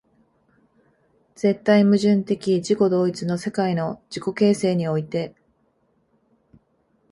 絶対矛盾的自己同一の世界の自己形成において、